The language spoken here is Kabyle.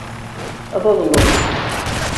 Ad aḍnen.